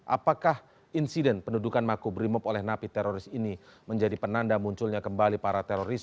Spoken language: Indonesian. apakah insiden pendudukan makubrimob oleh napi teroris ini menjadi penanda munculnya kembali para teroris